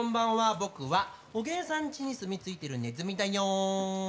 僕は、おげんさんちにすみついてる、ねずみだよ！